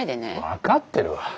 分かってるわ。